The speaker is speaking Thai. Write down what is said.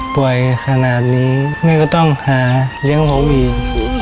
ป่วยขนาดนี้ไม่ก็ต้องหาเลี้ยงผมอีก